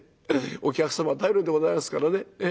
お客様頼りでございますからね。